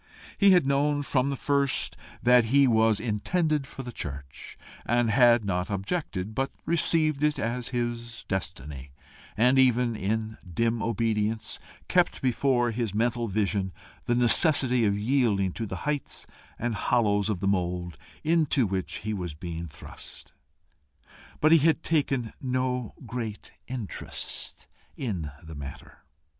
He had known from the first that he was intended for the church, and had not objected, but received it as his destiny had even, in dim obedience, kept before his mental vision the necessity of yielding to the heights and hollows of the mould into which he was being thrust. But he had taken no great interest in the matter.